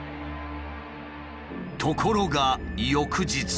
ところが翌日。